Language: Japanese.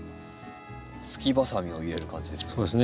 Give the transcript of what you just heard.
すきばさみを入れる感じですね。